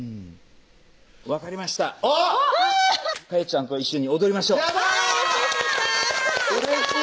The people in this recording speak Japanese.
ちゃんと一緒に踊りましょうやった！